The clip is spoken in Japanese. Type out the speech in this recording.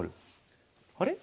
あれ？